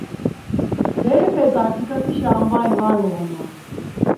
Berepes artikatişa ambayi var uğunan.